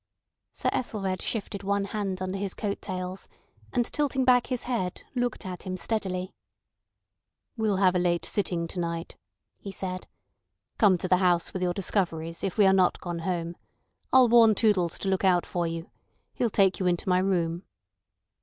Sir Ethelred shifted one hand under his coat tails, and tilting back his head, looked at him steadily. "We'll have a late sitting to night," he said. "Come to the House with your discoveries if we are not gone home. I'll warn Toodles to look out for you. He'll take you into my room."